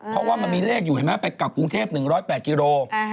เพราะว่ามันมีเลขอยู่เห็นไหมไปกลับกรุงเทพ๑๐๘กิโล